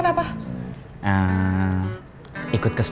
tapi kedau aku